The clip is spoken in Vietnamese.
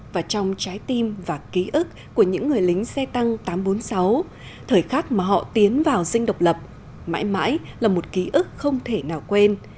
và trong trái tim và ký ức của những người lính xe tăng tám trăm bốn mươi sáu thời khắc mà họ tiến vào dinh độc lập mãi mãi là một ký ức không thể nào quên